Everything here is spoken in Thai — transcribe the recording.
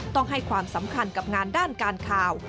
ต้องให้ความสำคัญกับงานด้านการข่าว